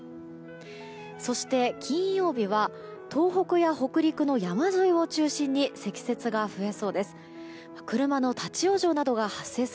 そして、金曜日は東北や北陸の山沿いを中心に積雪が増えそうです。